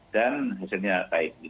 dan hasilnya baik